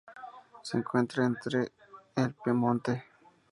Se encuentran entre el Piamonte.